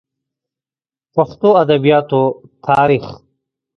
پښتو ادبياتو تاريخ